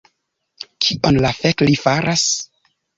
Kion la fek li faras?